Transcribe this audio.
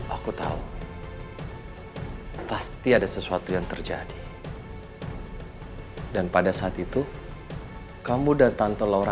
aku tahu pasti ada sesuatu yang terjadi dan pada saat itu kamu dan tante laura